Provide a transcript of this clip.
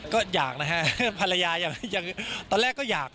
ก็อยากนะฮะภรรยาอยากตอนแรกก็อยาก